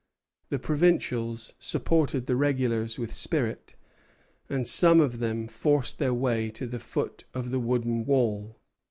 The provincials supported the regulars with spirit, and some of them forced their way to the foot of the wooden wall.